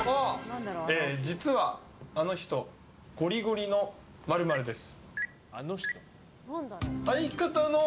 実はあの人ゴリゴリの○○です。